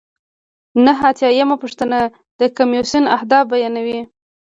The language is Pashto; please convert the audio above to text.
نهه اتیا یمه پوښتنه د کمیسیون اهداف بیانوي.